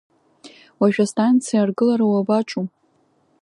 Уажәы астанциа аргылара уабаҿу?